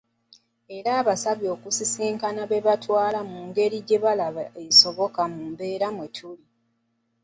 Era abasabye okusisinkana be batwala mu ngeri gye balaba esoboka mu mbeera mwetuli.